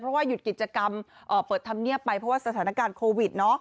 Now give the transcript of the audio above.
เพราะว่าหยุดกิจกรรมเปิดธรรมเนียบไปเพราะว่าสถานการณ์โควิด